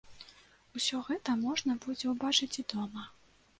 Усё гэта можна будзе ўбачыць і дома.